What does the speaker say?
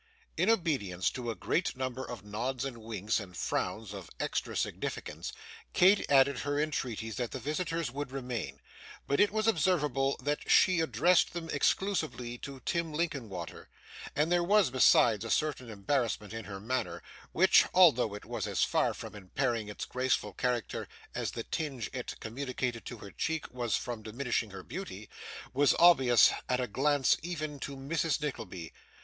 In obedience to a great number of nods, and winks, and frowns of extra significance, Kate added her entreaties that the visitors would remain; but it was observable that she addressed them exclusively to Tim Linkinwater; and there was, besides, a certain embarrassment in her manner, which, although it was as far from impairing its graceful character as the tinge it communicated to her cheek was from diminishing her beauty, was obvious at a glance even to Mrs. Nickleby.